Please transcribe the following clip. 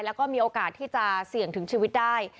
แล้วก็มีโอกาสที่จะเสี่ยงถึงชีวิตได้